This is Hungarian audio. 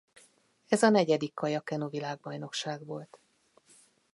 Ez a negyedik kajak-kenu világbajnokság volt.